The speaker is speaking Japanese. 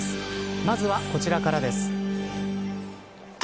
まずは、こちらからです。